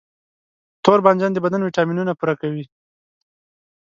توربانجان د بدن ویټامینونه پوره کوي.